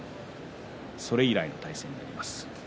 それ以来の対戦になります。